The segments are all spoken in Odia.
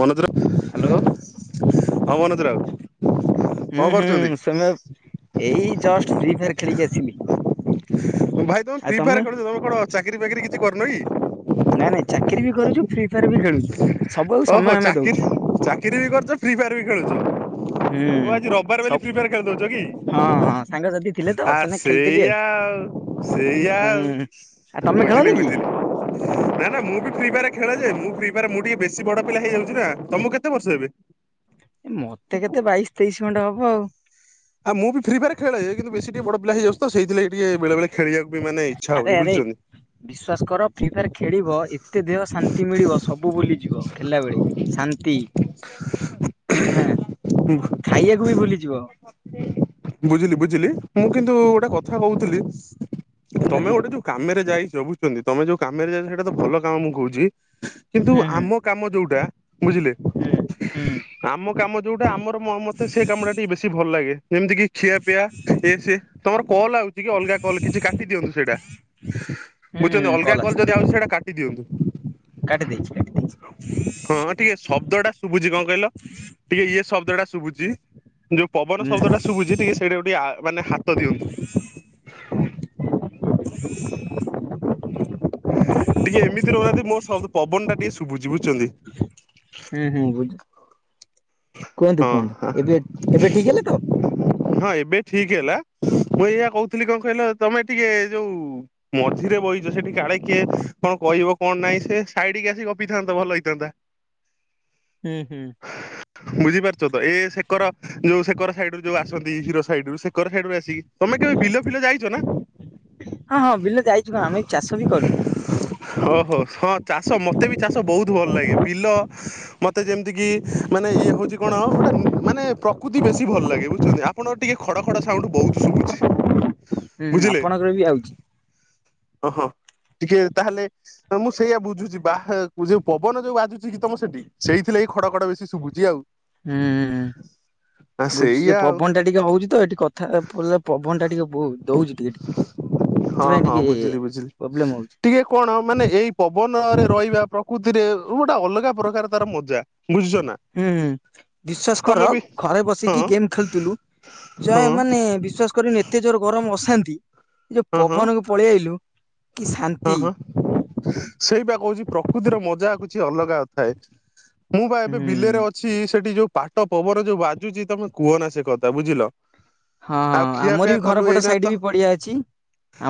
ମନୋଜ ରାଓ ହ୍ୟାଲୋ ହଁ ମନୋଜ ରାଓ ହୁଁ ହୁଁ ସୋମେଶ ଏଇ ଜଷ୍ଟ ଫି ଫାର ଖେଳିକି ଆସିଲି। ଭାଇ ତମେ ପ୍ରିଫାୟାର୍ ଖେଳୁଚ ତମେ କଣ ଚାକିରି ବାକିରି କିଛି କରୁନ କି? ନାଇଁ ନାଇଁ ଚାକିରି ବି କରୁଛୁ ଫ୍ରିଫାୟାର୍ ବି ଖେଳୁଛୁ ସବୁ ଆକୁ ଓହୋ ସମୟ ଆମେ ଚାକିରି ଦଉଛୁ। ଚାକିରି ବି କରୁଚ ଫ୍ରୀଫାୟାର୍ ହୁଁ ବି ଖେଳୁଚ ଓ ସବୁ ଆଜି ରବିବାର ହଁ ବୋଲି ହଁ ଫ୍ରିଫାୟାର ସାଙ୍ଗସାଥି ଥିଲେ ଖେଳି ତ ସେନା ଦଉଛ ଖେଳିଦେଲି କି ଆଉ ଆସ ସେଇଆ ଆଉ ସେଇଆ ହୁଁ। ଆଉ ଆଉ ତମେ ବୁଝିଲି ଖେଳନି କି? ବୁଝିଲି। ନା ନା ମୁଁ ବି ଫ୍ରିଫାୟାର ଖେଳେ ଯେ ମୁ ଫ୍ରୀଫାୟାର ମୁଁ ଟିକେ ବେଶୀ ବଡ ପିଲା ହେଇଯାଉଛି ନା ତମକୁ କେତେ ବର୍ଷ ଏବେ ଏ ମତେ କେତେ ବାଇଶି ତେଇଶି ଖଣ୍ଡେ ହବ ଆଉ ଆଉ ମୁଁ ବି ଫ୍ରୀଫାୟାର ଖେଳେ ଯେ କିନ୍ତୁ ବେଶୀ ଟିକେ ବଡ ପିଲା ହେଇଯାଉଚି ତ ସେଇଥିଲାଗି ଟିକେ ବେଳେ ବେଳେ ଖେଳିବାକୁ ମାନେ ଇଚ୍ଛା ହଉନି ବୁଝୁଛନ୍ତି ବିଶ୍ୱାସ କର ଫ୍ରିଫାୟାର ଖେଳିବ ଏତେ ଦେହ ଶାନ୍ତି ମିଳିବ ସବୁ ଭୁଲିଯିବ ଖେଳିଲାବେଳେ ଶାନ୍ତି, ହାଁ ଖାଇବାକୁ ବି ଭୁଲିଯିବ ବୁଝିଲି ବୁଝିଲି ମୁଁ କିନ୍ତୁ ଗୋଟେ କଥା କହୁଥିଲି ତମେ କହୁନାହାନ୍ତି ଗୋଟେ ଯୋଉ କାମରେ ଯାଇଚ ବୁଝୁଛନ୍ତି ତମେ ଯୋଉ କାମରେ ଯାଇଚ ସେଇଟା ତ ଭଲ କାମ ମୁଁ କହୁଛି ହୁଁ କିନ୍ତୁ ଆମ କାମ ଯୋଉଟା ବୁଝିଲେ ହୁଁ ହୁଁ। ଆମ କାମ ଯୋଉଟା ଆମର ମତେ ସେ କାମଟା ଟିକେ ବେଶୀ ଭଲ ଲାଗେ ଯେମିତି କିି? ଖିଆ ପିଆ ଇଏ ସିଏ ତମର କଲ୍ ଆଉଚି କି ଅଲଗା କଲ୍ କିଛି କାଟି ଦିଅନ୍ତୁ ସେଇଟା ହୁଁ ହୁଁ ବୁଝୁଛନ୍ତି ହୁଁ ଅଲଗା କଲ୍ କଲ ଯଦି ଆସିଥିଲା ଆଉଛି ସେଇଟା କାଟି ଦିଅନ୍ତୁ। କାଟି ଦେଇଛି କାଟି ଦେଇଛି। ହଁ ଟିକେ ଶବ୍ଦଟା ଶୁଭୁଚି କଣ କହିଲ? ଟିକେ ଇଏ ଶବ୍ଦଟା ଶୁଭୁଛି ଯୋଉ ପବନ ହୁଁ ଶବ୍ଦଟା ଶୁଭୁଛି ଟିକେ ସେଇଟାକୁ ଟିକେ ମାନେ ହାତ ଦିଅନ୍ତୁ ଟିକେ ଏମିତି ରହୁନାହାନ୍ତି ମୋ ଶବ୍ଦ ପବନଟା ଟିକେ ଶୁଭୁଛି ବୁଝୁଚନ୍ତି ହୁଁ ହୁଁ ବୁଲ କୁହନ୍ତୁ ହଁ କୁହନ୍ତୁ ଏବେ ଏବେ ଠିକ୍ ହେଲେ ତ ହଁ ଏବେ ଠିକ ହେଲା ମୁଁ ଏଇଆ କହୁଥିଲି କଣ କହିଲ ତମେ ଟିକେ ଯୋଉ ଧୀରେ ବହିଛ ସେଠି କାଳେ କିଏ କଣ କହିବ କଣ ନାଇଁ ସେ ସାଇଡିକ ଆସିକି ଗପିଥାନ୍ତ ଭଲ ହେଇଥାନ୍ତା ହୁଁ ହୁଁ ବୁଝିପାରୁଛ ତ ଏ ସେକର ଯୋଉ ସେକର ସାଇଡ ରୁ ଯୋଉ ଆସନ୍ତି ହିରୋ ସାଇଡୁ ସେକର ସାଇଡୁ ଆସିକି ତମେ କେବେ ବିଲ ଫିଲ ଯାଇଛ ନା ହଁ ହଁ ବିଲ ଯାଇଛୁ ଆମେ ଚାଷ ବି କରୁ ହଁ ହଁ ହଁ ଚାଷ ମତେ ବି ଚାଷ ବହୁତ ଭଲ ଲାଗେ ବିଲ ମତେ ଯେମିତି କି ମାନେ ଇଏ ହଉଛି କଣ ଗୋଟେ ମାନେ ପ୍ରକୃତି ବେଶୀ ଭଲ ଲାଗେ ବୁଝଛନ୍ତି ଆପଣ ଟିକେ ଖଡ ଖଡ଼ ସାଉଣ୍ଡ ବହୁତ ଶୁଭୁଛି ହୁଁ ଆପଣଙ୍କର ବି ଆଉଛି ଓ ହଁ ଟିକେ ତାହେଲେ ମୁଁ ସେଇଆ ବୁଝୁଛି ବା ଯୋଉ ପବନ ଯୋଉ ବାଜୁଛି ଗୀ ତମ ସେଠି ସେଇଥି ଲାଗି ଖଡ ଖଡ ବେଶୀ ଶୁଭୁଛି ଆଉ ଆ ବୁଝିଛି ଯେ ସେଇଆ ଆଉ ପବନ ଟା ଟିକେ ହଉଛି ତ ଏଠି କଥା ପିଲଲେ ପବନ ଟା ଟିକେ ବହୁ ଦଉଛି ଟିକେ ହଁ ସେଥିପାଇଁ ହଁ ଟିକେ ବୁଝିଲି ବୁଝିଲି ପ୍ରୋବ୍ଲେମ ହଉଛି ଟିକେ କଣ ମାନେ ଏଇ ପବନରେ ରହିବା ପ୍ରକୃତିରେ ଗୋଟେ ଅଲଗା ପ୍ରକାର ତାର ମଜା ବୁଝୁଛ ନା ହୁଁ ହୁଁ ବିଶ୍ଵାସ ତମେ କର ବି ଘରେ ହଁ ବସିକି ଗେମ୍ ଖେଳୁଥିଲୁ ହଁ ଜୟ ମାନେ ବିଶ୍ଵାସ କରନି ଏତେ ଜୋର ଗରମ ଅଶାନ୍ତି ଏ ଯୋଉ ହଁ ହଁ। ପବନକୁ ପଳେଇ ଆଇଲୁ କି ହଁ ଶାନ୍ତି ହଁ ସେଇପା କହୁଛି ପ୍ରକୃତିର ମଜା କିଛି ଅଲଗା ଥାଏ ମୁଁ ବା ଏବେ ହୁଁ। ବିଲେରେ ଅଛି ସେଠି ଯୋଉ ପାଟ ପବନ ଯୋଉ ବାଜୁଛି ତମେ କୁହ ନା ସେ କଥା ବୁଝିଲ ହଁ ଆଉ ହଁ ଆମର ଖିଆପିଆ ବି କଲୁ ଘରପଟ ଏଇନା ତ ସାଇଟ ବି ପଡିଆ ଅଛି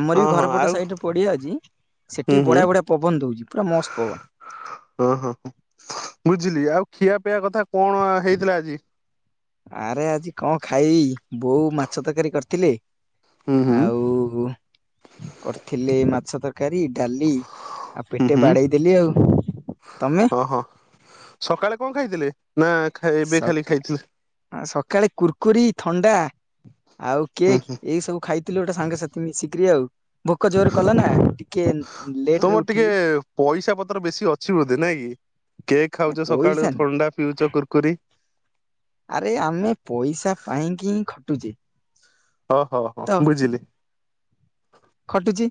ଆମର ହଁ ବି ହଁ ଘର ପଟ ଆଉ ସାଇଟ ପଡିଆ ଅଛି ହୁଁ ସେଠି ହୁଁ ବଢିଆ ବଢିଆ ପବନ ଦଉଛି ପୁରା ମସ୍ତ ପବନ ହଁ ହଁ ହଁ ବୁଝିଲି ଆଉ ଖିଆ ପିଇଆ କଥା କଣ ହେଇଥିଲା ଆଜି? ଆରେ ଆଜି କଣ ଖାଇ ବୋଉ ମାଛ ତରକାରୀ କରିଥିଲେ ହୁଁ ହୁଁ ଆଉ କରିଥିଲେ ମାଛ ତରକାରୀ ଡାଲି ଆଉ ହୁଁ ପେଟେ ହୁଁ ବାଡେଇଦେଲି ଆଉ ତମେ ଓହୋ ସକାଳେ କଣ ଖାଇଥିଲେ ନା ଏବେ ଖାଲି ସକା ଖାଇଥିଲେ ସକାଳେ କୁୁରକୁରିୀ ଥଣ୍ଡା ଆଉ ହୁଁ କେକ୍ ହୁଁ ଏଇ ସବୁ ଖାଇ ଥିଲ ଗୋଟେ ସାଙ୍ଗସାଥି ମିଶିକରି ଆଉ ଭୋକ ଜୋର କଲା ନା ଟିକେ ଲେଟ ରେ ତମର ଟିକେ ଉଠିଲି ପଇସା ପତ୍ର ବେଶୀ ଅଛି ବୋଧେ ନାଇଁ କି କେକ୍ ଖାଉଛ ସକାଳୁ ପଇସା ନୁହଁ ଥଣ୍ଡା ପିଉଛ କୁର୍କୁରି। ଆରେ ଆମେ ପଇସା ପାଇଁକି ହିଁ ଖଟୁଛେ। ଓହୋ ହଁ ତ ବୁଝିଲି। ଖଟୁଛି।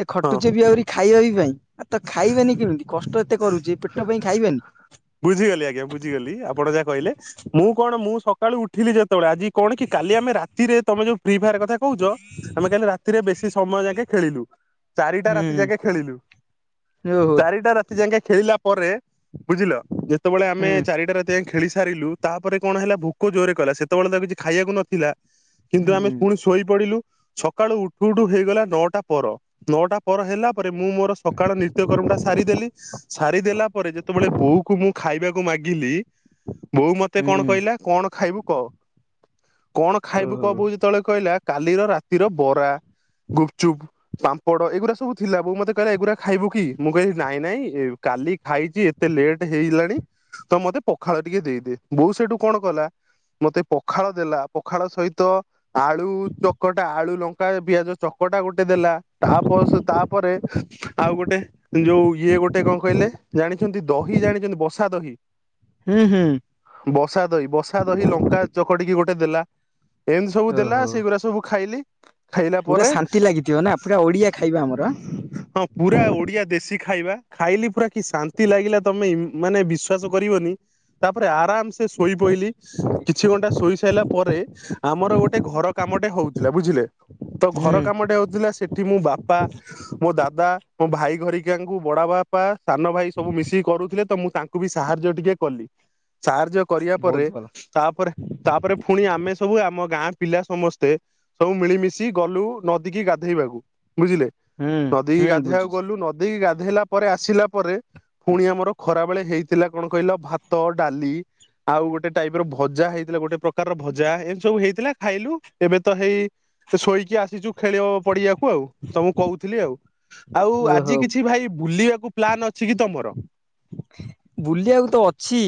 ଏ ହଁ ଖଟୁଛେ ବି ଆହୁରି ଖାଇବା ବି ପାଇଁ ଆଉ ତ ଖାଇବେନି କେମିତି କଷ୍ଟ ଏତେ କରୁଛେ ପେଟ ପାଇଁ ଖାଇବେନି। ବୁଝିଗଲି ଆଜ୍ଞା ବୁଝିଗଲି ଆପଣ ଯାହା କହିଲେ ମୁଁ କଣ ମୁଁ ସକାଳୁ ଉଠିଲି ଯେତେବେଳେ ଆଜି କଣ କି କାଲି ଆମେ ରାତିରେ ତମେ ଯୋଉ ଫ୍ରି ଫାୟାର କଥା କହୁଛ ଆମେ କାଲି ରାତିରେ ବେଶୀ ସମୟ ଯାକେ ଖେଳିଲୁ। ଚାରିଟା ରାତି ହୁଁ ଯାକେ ଖେଳିଲୁ। ଓହୋ ଚାରିଟା ରାତି ଯାଙ୍କା ଖେଳିଲା ପରେ ବୁଝିଲ ଯେତେବେଳେ ଆମେ ହୁଁ ଚାରିଟା ରାତି ଯା ଖେଳି ସାରିଲୁ ତାପରେ କଣ ହେଲା ଭୋକ ଜୋରରେ କଲା ସେତେବେଳେ ତ କିଛି ଖାଇବାକୁ ନଥିଲା ହୁଁ କିନ୍ତୁ ଆମେ ପୁଣି ଶୋଇ ପଡିଲୁ ସକାଳୁ ଉଠୁ ଉଠୁ ହେଇଗଲା ନଅଟା ପର। ନଅଟା ପର ହେଲା ପରେ ମୁଁ ମୋର ସକାଳ ନିତ୍ୟକର୍ମ ଟା ସାରିଦେଲି। ସାରିଦେଲା ପରେ ଯେତେବେଳେ ବୋଉ କ ମୁଁ ଖାଇବାକୁ ମାଗିଲି ବୋଉ ମତେ କଣ ହୁଁ କହିଲା କଣ ଖାଇବୁ କହ। କଣ ଖାଇବୁ ଓହୋ କବୁ ଯେତେବେଳେ କହିଲା କାଲିର ରାତିର ବରା ଗୁପଚୁପ। ପୋଡ ଏଗୁଡା ସବୁ ଥିଲା ବ ମତେ କହିଲା ଏଗୁଡା ଖାଇବୁ କି ମୁଁ କହିଲି ନାଇଁ ନାଇଁ କାଲି ଖାଇଛି। ଏତେ ଲେଟ୍ ହେଇଗଲାଣି ତ ମତେ ପଖାଳ ଟିକେ ଦେଇଦି ବୋଉ ସେଠୁ କଣ କଲା। ମତେ ପଖାଳ ଦେଲା ପଖାଳ ସହିତ। ଆଳୁ ଚକଟା ଆଳୁ ଲଙ୍କା ପିଆଜ ଚକଟା ଗୋଟେ ଦେଲା। ତାପ ତାପରେ ଆଉ ଗୋଟେ ଯୋଉ ଇଏ ଗୋଟେ କଣ କହିଲେ ଜାଣିଛନ୍ତି ଦହି ଜାଣିଛନ୍ତି ବସା ଦହି। ହୁଁ ହୁଁ। ବସା ଦହି ବସା ଦହି ଲଙ୍କା ଚକଟିକି ଗୋଟେ ଦେଲା ଏମିତି ସବୁ ଦେଲା ଓହୋ ସେଇଗୁଡା ସବୁ ଖାଇଲି। ଖାଇଲା ପୁରା ପରେ ଶାନ୍ତି ଲାଗିଥିବ ନା। ପୁରା ଓଡିଆ ଖାଇବା ଆମର ହଁ। ପୁରା ଓଡିଆ ଦେଶୀ ଖାଇବା ଖାଇଲି ପୁରା କି ଶାନ୍ତି ଲାଗିଲା ତମେ ମାନେ ବିଶ୍ୱାସ କରିବନି। ତାପରେ ଆରାମ ସେ ଶୋଇ ପଇଲି କିଛି ଘଣ୍ଟା ଶୋଇ ସାରିଲା ପରେ ଆମର ଗୋଟେ ଘର କାମଟେ ହଉଥିଲା ବୁଝିଲେ ତ ହୁଁ ଘର କାମଟେ ହଉଥିଲା ସୋ ଏଠି ମଁ ବାପା ମୋ ଦାଦା ମୋ ଭାଇ ଘରିକିଆଙ୍କୁ ବଡ ବାପ। ବାପା ସାନ ଭାଇ ସବୁ ମିଶିକି କରୁଥିଲେ ତ ମୁଁ ତାଙ୍କୁ ବି ସାହାଯ୍ୟ ଟିକେ କଲି ସାହାଯ୍ୟ କରିବା ବହୁତ ପରେ ଭଲ ତାପରେ ତାପରେ ପୁଣି ଆମେ ସବୁ ଆମ ଗାଁ ପିଲା ସମସ୍ତେ। ସବୁ ମିଳିମିଶି ଗଲୁ ନଦୀ କି ଗାଧେଇବାକୁ ବୁଝିଲେ ହୁଁ ନଦୀ ହୁଁ ଗାଧେଇବାକୁ ବୁଝୁଛି ଗଲୁୀ। ନଦିକି ଗାଧୋଇଲା ପରେ ଆସିଲା ପରେ। ପୁଣି ଆମର ଖରାବେେଳେ ହେଇଥିଲା କଣ କହିଲ ଭାତ ଡାଲି ଆଉ ଗୋଟେ ଟାଇପ ର ଭଜା ହେଇଥିଲା ଗୋଟେ। ପ୍ରକାର ଭଜା ଏମିତି ସବୁ ହେଇଥିଲା ଖାଇଲୁ ଏବେ ତ ହେଇ ଶୋଇକି ଆସିଛୁ ଖେଳିବା ପଡିଆକୁ। ଆଉ ତ ମୁଁ କହୁଥିଲି ଆଉ ଆଉ ଓହୋ ଆଜି କିଛି ଭାଇ ବୁଲିବାକୁ ପ୍ଲାନ ଅଛି କି ତମର। ବୁଲିବାକୁ ତ ଅଛି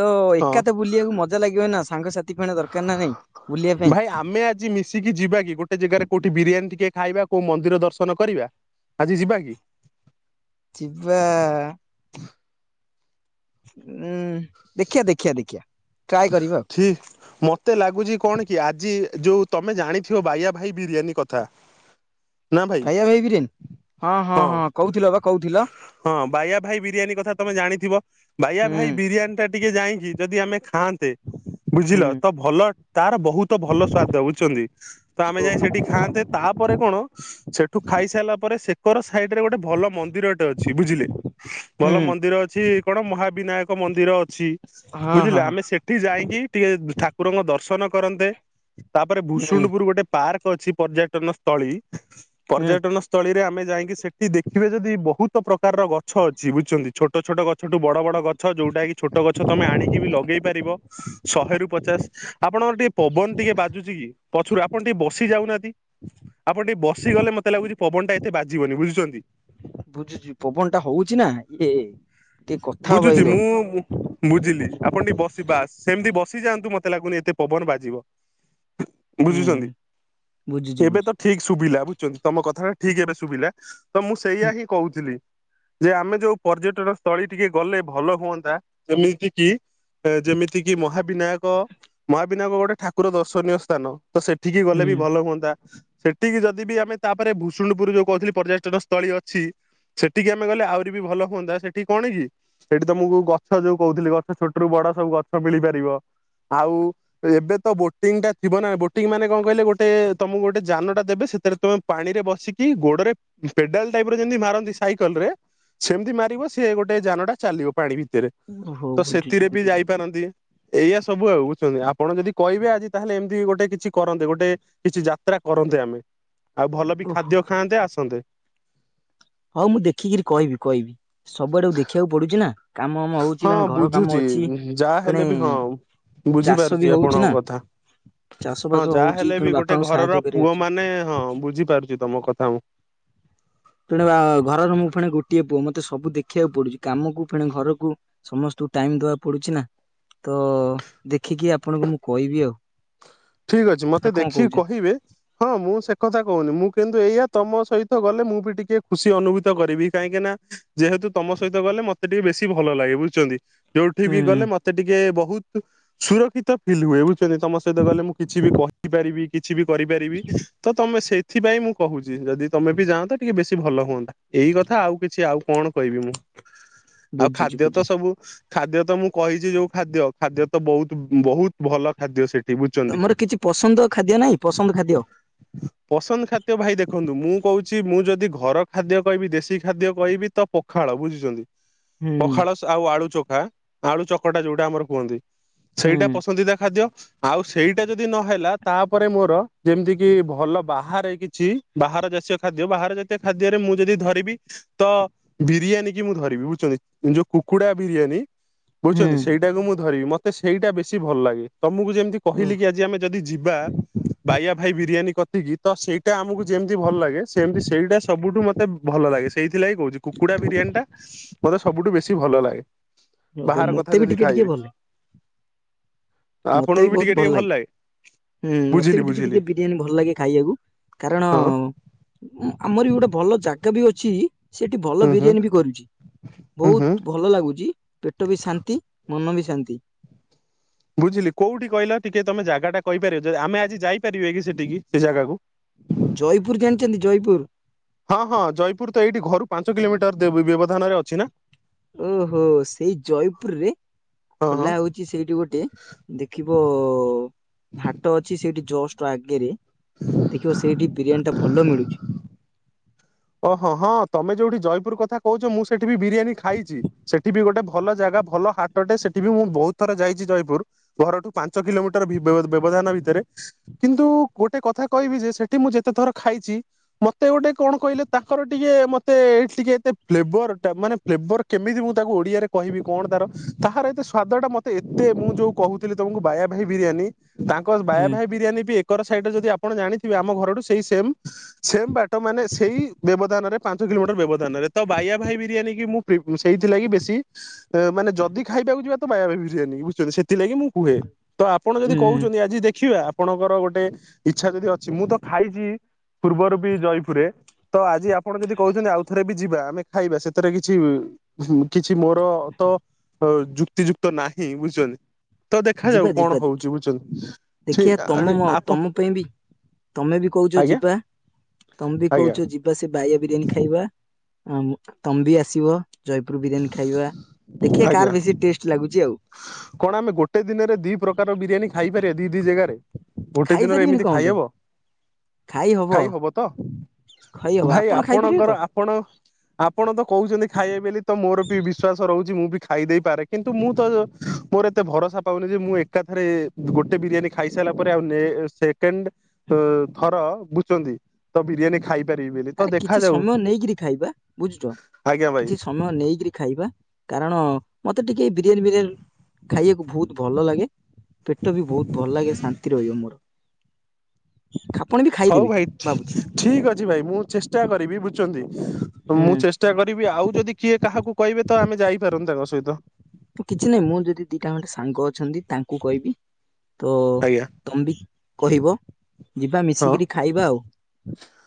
ତ ହଁ ଏକାଥ ବୁଲିବାକୁ ମଜା ଲାଗିବ ନା ସାଙ୍ଗସାଥି। ଫ ଦରକାର ନା ନାଇଁ ବୁଲିବା ପାଇଁ। ଏ ଆଜି ମି ଶିକି ଯିବା କି ଗୋଟେ ଜାଗାରେ କୋଉଠି ବିରିୟାନୀ ଟିକେ ଖାଇବା, କୋଉ ମନ୍ଦିର ଦର୍ଶନ କରିବା, ଆଜି ଯିବା କି? ଯିବା। ଉଁ, ଦେଖିଆ ଦେଖିଆ ଦେଖିଆ। ଟ୍ରାଏ କରିବା ଆଉ ଛି ମୋ ତେ ଲାଗୁଛି କଣ କି ଆଜି ଯୋଉ ତୋମେ ଜାଣିଥିବ ବାୟା ଭାଇ ବିରିୟାନୀ କଥା? ନା ଭାଇ ହଁ। କହୁଥିଲେ ବା କହୁଥି ହଁ ବାୟା ଭାଇ ବିରିୟାନୀ କଥା ତୋମେ ଜାଣିଥିବ? ବାୟା ହୁଁ ଭାଇ ବିରିୟାନୀ ଟା ଟିକେ ଯାଇକି ଯଦି ଆମେ ଖାଆନ୍ତେ, ହୁଁ ବୁଝିଲ ତ ଭଲ ତାର ବହୁତ ତ ଭଲ ସ୍ଵାଦ ବୁଝୁଛନ୍ତି, ତ ଆମେ ଓ ଯାଇ ସେଠି ଖାଆନ୍ତେ। ତାପରେ କଣ ସେଠୁ ଖାଇସାରିଲା ପରେ ସେକର ସାଇଡ୍ ରେ ଗୋଟେ ଭଲ ମନ୍ଦିରଟେ ଅଛି ବୁଝିଲେ, ହୁଁ ଭଲ ମନ୍ଦିର ଅଛି କଣ ମହାବିନାୟକ ମନ୍ଦିର ଅଛି। ହଁ ବୁଝିଲେ ହଁ ହଁ ଆମେ ସେଠି ଯାଇକି ଟିକେ ଠାକୁରଙ୍କ ଦର୍ଶନ କରନ୍ତେ, ତାପରେ ହୁଁ ଭୁଷୁଣ୍ଡପୁର ଗୋଟେ ପାର୍କ ଅଛି, ପର୍ଯ୍ୟଟନ ସ୍ଥଳୀ, ହୁଁ ପର୍ଯ୍ୟଟନ ସ୍ଥଳୀରେ ଆମେ ଯାଇକି ସେଠି ଦେଖିବେ ସେଠି ବହୁତ ପ୍ରକାରର ଗଛ ଅଛି ବୁଝିଛନ୍ତି, ଛୋଟ ଛୋଟ ଗଛଠୁ ବଡ ବଡ ଗ ଛ ଯୋଉଟା କି ଛୋଟ ଗଛ ତୋମେ ଆଣିକି ବି ଲଗେଇ ପାରିବ ଶହେରୁ ପଚାଶ ଆପଣଙ୍କର ଟିକେ ପବନ ଟିକେ ବାଜୁଚି କି? ପଛରୁ ଆପଣ ଟିକେ ବସି ଯାଉନାହାନ୍ତି। ଆପଣ ଟିକେ ବସିଗଲେ ମୋତେ ଲାଗୁଚି ପବନ ଟା ଏତେ ବାଜିବନି ବୁଝୁଛନ୍ତି। ବୁଝୁଛି ପବନ ଟା ହଉଛି ନା, ଇଏ ଟିକେ କଥା ହବା ବୁଝୁଛି ଏଇର ମୁଁ ବୁଝିଲି ଆପଣ ଟିକେ ବସି ବାସ୍ ସେମିତି ବସିଯାଆନ୍ତୁ, ମୋତେ ଲାଗୁନି ଏତେ ପବନ ବାଜିବ। ହ ହୁଁ ବୁଝୁଛନ୍ତି, ବୁଝୁଛି ଏବେ ତ ବୁଝୁଛି ଠିକ ଶୁଭିଲା ବୁଝୁଛନ୍ତି ତୋମ କଥାଟା ଠିକ ଏବେ ଶୁଭିଲା। ତ ମୁଁ ସେଇଆ ହୁଁ ହିଁ କହୁଥିଲି। ଯେ ଆମେ ଯୋଉ ପର୍ଯ୍ୟଟନ ସ୍ଥଳୀ ଟିକେ ଗଲେ ଭଲ ହୁଅନ୍ତା, ଯେମିତି କି ଏ ଯେମିତିକି ମହାବିନାୟକ, ମହାବିନାୟକ ଗୋଟେ ଠାକୁର ଦର୍ଶନୀୟ ସ୍ଥାନ। ତ ସେଠିକି ଗଲେ ହୁଁ ବି ଭଲ ହୁଅନ୍ତା, ସେଠିକି ଯଦି ବି ଆମେ ତାପରେ ଭୂଷୁଣ୍ଡପୁର ଯୋଉ କହୁଥିଲି ପର୍ଯ୍ୟଟନ ତଳୀ ଅଛି, ସେଠିକି ଆମେ ଗଲେ ଆହୁରି ବି ଭଲ ହୁଅନ୍ତା, ସେଠି କଣ କି ସେଠି ତୋମକୁ ଗଛ ଯୋଉ କହୁଥିଲି ଗଛ ଛୋଟ ରୁ ବଡ ସବୁ ଗଛ ମିଳିପାରିବ। ଆଉ ଏବେ ତ ବୋଟିଂ ଟା ଥିବ ନା, ବୋଟିଂ ମାନେ କଣ କହିଲେ ଗୋଟେ ତୋମକୁ ଗୋଟେ ଯାନ ଟା ଦେବେ ସେଥିରେ ତୋମେ ପାଣି ରେ ବସିକି ଗୋଡରେ ପେଡାଲ ଟାଇପ୍ ର ଯେମିତି ମାରନ୍ତି ସାଇକଲ ରେ, ସେମିତି ମାରିବ ସିଏ ଗୋଟେ ଯାନଟା ଚାଲିବ ପାଣି ଭିତରେ। ଓହୋ ତ ବୁଝୁଛି ସେଥିରେ ବି ବୁଝୁଛି ଯାଇପାରନ୍ତି। ଏଇଆ ସବୁ ଆଉ ବୁଝୁଛନ୍ତି, ଆପଣ ଯଦି କହିବେ ଆଜି ତାହେଲେ ଏମିତି ଗୋଟେ କିଛି କରନ୍ତେ, ଗୋଟେ କିଛି ଯାତ୍ରା କରନ୍ତେ ଆମେ, ଆଉ ଭଲ ବି ଓହୋ ଖାଦ୍ୟ ଖାଆନ୍ତେ ଆସନ୍ତେ। ହଁ ମୁଁ ଦେଖିକିରି କହିବି କହିବି ସବୁଆଡକୁ ଦେଖିବାକୁ ପଡୁଚି ନା। କାମ ଆମ ହଉଛି ହଁ ମାନେ ଘର କାମ ବୁଝୁଛି ଅଛି ହୁଁ, ଯାହା ପୁଣି ହେଲେ ବି ହଁ ଚାଷ ବି ବୁଝିପାରୁଛି ହଉଛି ନା ଆପଣଙ୍କ କଥା। ଚାଷ ହଁ ବାସ ହଉଛି ଯାହାହଲେ ପୁଣି ବି ଗୋଟେ ବାପାଙ୍କୁ ସାହାଯ୍ୟ ଘରର କରିବାର ପୁଅ ଅଛି। ମାନେ ହଁ ବୁଝିପାରୁଚି ତୋମ କଥା ମୁଁ। ତେଣୁ ଆ, ଘରର ମୁଁ ଫେଣେ ଗୋଟିଏ ପୁଅ ମୋତେ ସବୁ ଦେଖିବାକୁ ପଡୁଚି, କାମକୁ ଫେଣେ ଘରକୁ। ସମସ୍ତଙ୍କୁ ଟାଇମ୍ ଦବାକୁ ପଡୁଛି ନା, ତୋ ଦେଖିକି ଆପଣଙ୍କୁ ମୁଁ କହିବି ଆଉ। ଠିକ ଅଛି ମୋତେ ଆଉ କଣ ଦେଖିକି କହୁଛ କହିବେ। ହଁ ମୁଁ ସେ କଥା କହୁନି ମୁଁ କିନ୍ତୁ ଏଇଆ ତମ ସହିତ ଗଲେ ମୁଁ ବି ଟିକେ ଖୁସି ଅନୁଭୂତ କରିବି କାହିଁକି ନା। ଯେହେତୁ ତମ ସହିତ ଗଲେ ମତେ ଟିକେ ବେଶୀ ଭଲ ଲାଗେ ବୁଝିଛନ୍ତି। ଯୋଉଠି ହୁଁ ବି ଗଲେ ମତେ ଟିକେ ବହୁତ ସୁରକ୍ଷିତ ଫିଲ୍ ହୁଏ ବୁଝଛନ୍ତି ତମ ସହିତ ଗଲେ। ମୁଁ କିଛି ବି କହିପାରିବି କିଛି ବି କରିପାରିବି ତ ତମେ ସେ ସେଥିପାଇଁ ମୁଁ କହୁଛି ଯଦି ତମେ ବି ଯାନ୍ତ‌‌ ଟିକେ ବେଶୀ ଭଲ ହୁଅନ୍ତା। ଏଇ କଥା ଆଉ କିଛି ଆଉ କଣ କହିବି ମୁଁ। ଆଉ ବୁଝୁଛି ଖାଦ୍ୟ ତ ବୁଝୁଛି ସବୁ ଖାଦ୍ୟ ତ ମୁଁ କହିଛି ଯୋଉ ଖାଦ୍ୟ ଖାଦ୍ୟ ତ ବହୁତୁ ବହୁ ଭଲ ଖାଦ୍ୟ ସେଠି ବୁଝୁଛନ୍ତି। ତମର କିଛି ପସନ୍ଦ ଖାଦ୍ୟ ନାଇଁ ପସନ୍ଦ ଖାଦ୍ୟ। ପସନ୍ଦ ଖାଦ୍ୟ ଭାଇ ଦେଖନ୍ତୁ ମୁଁ କହୁଛି ମୁଁ ଯଦି ଘର ଖାଦ୍ୟ କହିବି ଦେଶୀ ଖାଦ୍ୟ କହିବି ତ ପଖାଳ ବୁଝିଛନ୍ତି ପଖାଳ ଆଉ ଆଳୁ ଚୋଖା ଆଳୁ ଚକଟା ଯୋଉଟା ଆମର କୁହନ୍ତି। ହୁଁ ସେଇଟା ପସନ୍ଦିଦା ଖାଦ୍ୟ ଆଉ ସେଇ ସେଇଟା ଯଦି ନହେଲା ତାପରେ ମୋର ଯେମିତି କି ଭଲ ବାହାରେ କିଛି ବାହାର ଜାଷୀୟ ଖାଦ୍ୟ ବାହାରେ ସେ ଖାଦ୍ୟରେ ମୁଁ ଯଦି ଧରିବି। ତ ବିରିୟାନୀ କି ମୁଁ ଧରିବି ବୁଝଛନ୍ତି ଯୋଉ କୁକୁଡା ବିରିୟାନୀ। ହୁଁ ବୁଝୁଛନ୍ତି ସେଇଟାକୁ ମୁଁ ଧରିବି ମତେ ସେଇଟା ବେଶୀ ଭଲ ଲାଗେ ତମକୁ ଯେମିତି ଓ କହିଲି କି ଆଜି ଆମେ ଯଦି ଯିବା ବାୟା ଭାଇ ବିରିୟାନୀ କତିକି ତ ସେଇଟା ଆମକୁ ଯେମିତି ଭଲ ଲାଗେ ସେମତି ସେଇଟା ସବୁଠୁ ମତେ ଭଲ ଲାଗେ। ସେଇଥିଲାଗି କହୁଛି କୁକୁଡା ବିରିୟାନୀ ଟା ମତେ ସବୁଠୁ ବେଶୀ ଭଲ ଲାଗେ। ଓହୋ ବାହାର ମତେ କଥା ବି ଯଦି ଟିକେ ଟିକେ ଖାଇବେ ଭଲ ମତେ ଆପଣଙ୍କୁ ବି ବହୁତ ଟିକେ ଭଲ ଲାଗେ ହୁଁ ମତେ ବୁଝିଲି ବି ଟିକେ ବୁଝିଲି ଟିକେ ବିରିୟାନୀ ଭଲ ଲାଗେ ଖାଇବାକୁ କାରଣ ହଁ ଆମର ବି ଗୋଟେ ଭଲ ଜାଗା ବି ଅଛି ସେଠି ଭଲ ହୁଁ ହୁଁ ବିରିୟାନୀ ବି କରୁଛି ହୁଁ ବହୁତ ହୁଁ ଭ ଭଲ ଲାଗୁଛି ପେଟ ବି ଶାନ୍ତି ମନ ବି ଶାନ୍ତି। ବୁଝିଲି କୋଉଠି କହିଲ ଟିକେ ତମେ ଜାଗା ଟା କହିପାରିବ ଆମେ ଆଜି ଯାଇପାରିବା କି ସେଠିକି ସେ ଜାଗାକୁ। ଜୟପୁର ଜାଣିଛନ୍ତି ଜୟପୁର। ହଁ ହଁ ଜୟପୁର ତ ଏଇଠି ଘରୁ ପାଞ୍ଚ କିଲୋମିଟର ବ୍ୟବଧାନରେ ଅଛି ନା। ଓହୋ ସେଇ ଜୟପୁରରେ ହଁ ହଁ ଖୋଲା ହଉ କି ସେଇଠି ଗୋଟେ ଦେଖିବ ହାଟ ଅଛି ସେଇଠି ଜଷ୍ଟ ଆଗେରେ ଦେଖିବ ସେଇଠି ବିରିୟାନୀ ଟା ଭଲ ମିଳୁଛି। ଓହଁ ହଁ ତମେ ଯୋଉଠି ଜୟପୁର କଥା କହୁଛ ମୁଁ ସେଠି ବି ବିରିୟାନୀ ଖାଇଛି ସେଠି ବି ଗୋଟେ ଭଲ ଜାଗା ଭଲ ହାଟଟେ ସେଠି ବି ମୁଁ ବହୁତ ଥର ଯାଇଛି ଜୟପୁର। ଘରଠୁ ପାଞ୍ଚ କିଲୋମିଟର ବି ବ୍ୟବଧାନ ଭିତରେ କିନ୍ତୁ ଗୋଟେ କଥା କହିବି ଯେ ସେଠି ମୁଁ ଯେତେ ଥର ଖାଇଛି ମତେ ଗୋଟେ କଣ କହିଲେ ତାଙ୍କର ଟିକେ ମତେ ଏଠି ଟିକେ ଏତେ ଫ୍ଲେବର ମାନେ ଫ୍ଲେବର କେମିତି ମୁଁ ତାକୁ ଓଡିଆରେ କହିବି କଣ ତାର ତାହାର ଏତେ ସ୍ଵାଦ ଟା ମତେ ଏତେ ମୁଁ ଯୋଉ କହୁଥିଲି ତମକୁ ବାୟା ଭାଇ ବିରିୟାନୀ ତାଙ୍କ ବାୟା ହୁଁ। ଭାଇ ବିରିୟାନୀ ବି ଏକର ସାଇଡ ଯଦି ଆପଣ ଜାଣିଥିବେ ଆମ ଘରୁ ସେଇ ସେମ ସେମ ବାଟ ଟ ମାନେ ସେଇ ନରେ ପାଞ୍ଚ କିଲୋମିଟର ବ୍ୟବଧାନରେ ତ ବାୟା ଭାଇ ବିରିୟାନୀ କି ମୁଁ ପ୍ରି ସେଇଥିଲାଗି ବେଶୀ ମାନେ ଯଦି ଖାଇବାକୁ ଯିବା ତ ବାଇଆ ଭାଇ ବିରିୟାନୀ ବୁଝିଛନ୍ତି ସେଥିଲାଗି ମୁଁ କୁହେ। ତ ଆପଣ ଯଦି ଉୁଁ କହୁଛନ୍ତି ଆଜି ଦେଖିବା। ଆପଣଙ୍କର ଗୋଟେ ଇଚ୍ଛା ଯଦି ଅଛି ମୁଁ ତ ଖାଇଛି ପୂର୍ବରୁ ବି ଜୟପୁରରେ। ତ ଆଜି ଆପଣ ଯଦି କହୁଛନ୍ତି ଆଉ ଥରେ ବି ଯିବା ଆମେ ଖାଇବା ସେଥିରେ କିଛି କିଛି ମୋର ତ ଯୁକ୍ତିଯୁକ୍ତ ନାହିଁ ବୁଝିଛନ୍ତି। ତ ଯିବା ଦେଖାଯାଉ ଯିବା କଣ ଦେଖି ହଉଛି ବୁଝୁଛନ୍ତି ସେ ଦେଖିବା ତମ ଆରେ ମ ଆପ ତମ ପାଇଁ ବି ତମେ ବି କହୁଛ ଯିବା ତମେ ବି ଆଜ୍ଞା କହୁଛ ଯି ପୁରା ସେ ବାୟା ବିରିୟାନୀ ଖାଇବା ଉଁ ତମ ମ୍ବି ଆସିବ। ଜୟପୁରୁ ବିରିୟାନୀ ଖାଇବା ଦେଖିବା ଆଜ୍ଞା କାହାର ବେଶୀ ଟେଷ୍ଟ ଲାଗୁଛି ଆଉ। କଣ ଆମେ ଗୋଟେ ଦିନରେ ଦି ପ୍ରକାର ବିରିୟାନୀ ଖାଇପାରିବା ଦି ଦି ଜାଗାରେ ଗୋଟେ ଦିନରେ ଖାଇପାରିବିନି ଏମିତି କଣ ପାଇଁ ଖାଇହବ? ଖାଇ ହବ ତ ଖାଇ ହବ ଭାଇ ଆପଣ ଖାଇପାରିବେ ତ ଆପଣଙ୍କର ଆପ ଆପଣ ଆପଣ ତ କହୁଛନ୍ତି ଖାଇବେ ବେଲି ତ ମୋର ବି ବିଶ୍ଵାସ ରହୁଛି ମୁଁ ବି ଖାଇ ଦେଇପାରେ କିନ୍ତୁ ମୁଁ ତ ମୋର ଏତେ ଭରସା ପାଉନି ଯେ ମୁଁ ଏକାଥରେ ଗୋଟେ ବିରିୟାନୀ ଖାଇସାରିଲା ପରେ ଆଉ ନେ ସେକେଣ୍ଡେ ଅ ଥର ବୁଝଛନ୍ତି ତ ବିରିୟାନୀ ଖାଇ ଆରେ କିଛି ସମୟ ନେଇକିରି ଖାଇବା ବୁଝୁଛ ଆଜ୍ଞା କିଛି ଭାଇ ସ ସମୟ ନେଇକିରି ଖାଇବା କାରଣ ମତେ ଟିକେ ଏଇ ବିରିୟାନ ଫିରିୟାନି ଖାଇବାକୁ ଭଉତ ଭଲ ଲାଗେ ପେଟ ବି ଭଉତ ଭଲ ଲାଗେ ଶାନ୍ତି ରହିବ ମୋର। ଆପଣ ବି ହଉ ଖାଇଦେବେ ଭାଇ ଠି ଭାବୁଛି ଠିକ ଅଛି ଭାଇ ମୁଁ ଚେଷ୍ଟା କରିବି ବୁଝୁଛନ୍ତି? ମୁଁ ହୁଁ ଚେଷ୍ଟା କରିବି ଆଉ ଯଦି କିଏ କାହାକୁ କହିବେ ତ ଆମେ ଯାଇପାରନ୍ତେ ତାଙ୍କ ସହିତ। କିଛି ନାଇଁ ମୁଁ ଯଦି ଦିଟା ଗଣ୍ଡେ ସାଙ୍ଗ ଅଛନ୍ତି ତାଙ୍କୁ କହିବି। ତ ଆଜ୍ଞା ତମ ବି କହିବ ଯିବା ହଁ। ମିଶିକିରି ଖାଇବା ଆଉ।